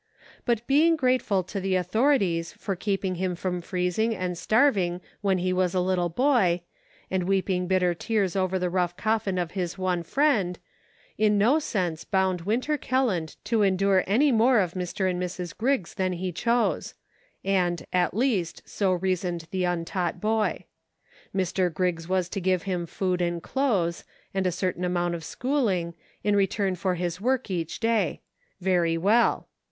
But being grateful to the authorities for keeping him from freezing and starving when he was a little boy, and weeping bit ter tears over the rough coffin of his one friend, in no sense bound Winter Kelland to endure any more of Mr. and Mrs. Griggs than he chose ; at least, so reasoned the untaught boy. Mr. Griggs was to give him food and clothes, and a certain amount of schooling, in return for his work each day. Very well.